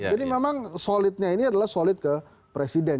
jadi memang solidnya ini adalah solid ke presiden